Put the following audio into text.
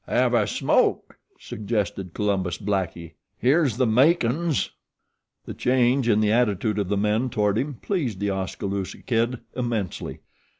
"Have a smoke?" suggested Columbus Blackie. "Here's the makin's." The change in the attitude of the men toward him pleased The Oskaloosa Kid immensely.